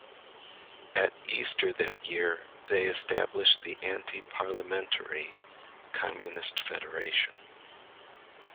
At Easter that year they established the Anti-Parliamentary Communist Federation.